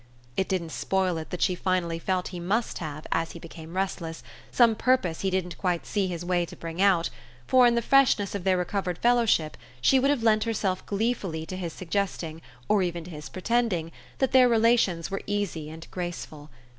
It didn't spoil it that she finally felt he must have, as he became restless, some purpose he didn't quite see his way to bring out, for in the freshness of their recovered fellowship she would have lent herself gleefully to his suggesting, or even to his pretending, that their relations were easy and graceful.